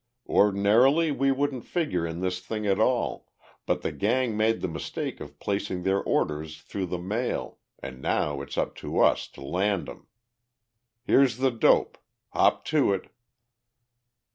Ordinarily we wouldn't figure in this thing at all but the gang made the mistake of placing their orders through the mail and now it's up to us to land 'em. Here's the dope. Hop to it!"